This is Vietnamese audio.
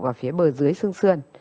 và phía bờ dưới xương xương